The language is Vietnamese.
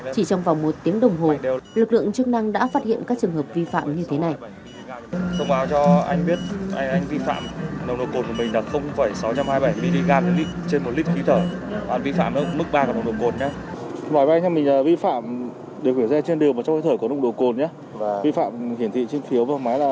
chỉ trong vòng một tiếng đồng hồ lực lượng chức năng đã phát hiện các trường hợp vi phạm như thế này